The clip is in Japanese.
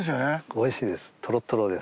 おいしいです。